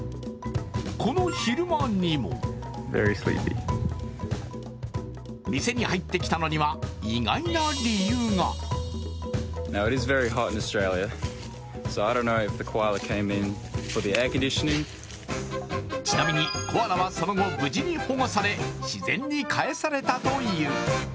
この昼間にも店に入ってきたのには意外な理由がちなみにコアラはその後無事に保護され、自然に帰されたという。